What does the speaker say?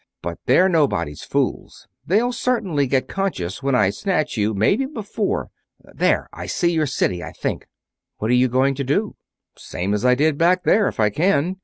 But they're nobody's fools they'll certainly get conscious when I snatch you, maybe before ... there, I see your city, I think." "What are you going to do?" "Same as I did back there, if I can.